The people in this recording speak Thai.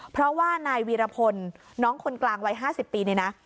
เพราะว่านายวีรพลน้องคนกลางวัย๕๐ปีเนี่ยนะ